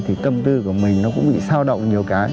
thì tâm tư của mình nó cũng bị sao động nhiều cái